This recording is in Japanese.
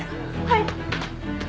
はい！